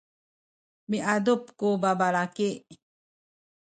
miadup ku babalaki.